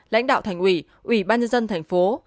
lãnh đạo thành ủy ủy ban dân tp